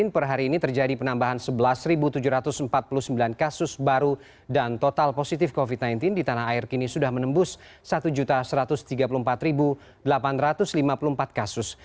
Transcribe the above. per hari ini terjadi penambahan sebelas tujuh ratus empat puluh sembilan kasus baru dan total positif covid sembilan belas di tanah air kini sudah menembus satu satu ratus tiga puluh empat delapan ratus lima puluh empat kasus